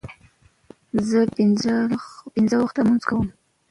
زه پنځه وخته لمونځ کوم.